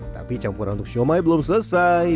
tapi campuran untuk siomay belum selesai